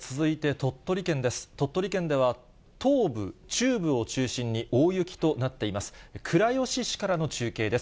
鳥取県では東部、中部を中心に大雪となっています。